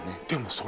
でも